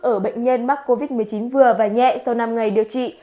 ở bệnh nhân mắc covid một mươi chín vừa và nhẹ sau năm ngày điều trị